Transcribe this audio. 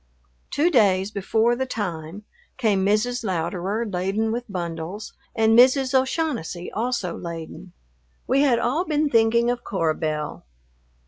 Two days before the time, came Mrs. Louderer, laden with bundles, and Mrs. O'Shaughnessy, also laden. We had all been thinking of Cora Belle.